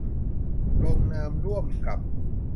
ลงนามร่วมกับ